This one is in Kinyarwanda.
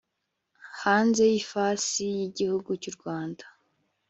hanze y ifasi y Igihugu cy u Rwanda